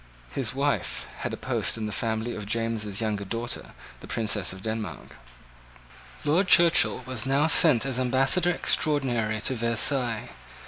His wife had a post in the family of James's younger daughter, the Princess of Denmark. Lord Churchill was now sent as ambassador extraordinary to Versailles.